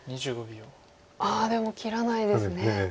ああでも切らないですね。